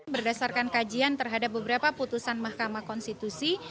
berdasarkan kajian terhadap beberapa putusan mahkamah konstitusi